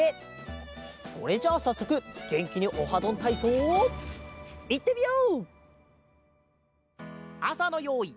それじゃさっそくげんきに「オハどんたいそう」いってみよう！